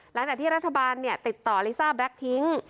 หลังจากที่รัฐบาลติดต่อลิซ่าแบล็คทิ้ง